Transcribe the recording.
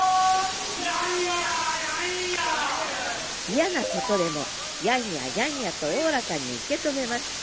嫌なことでも「やんややんや」とおおらかに受けとめます。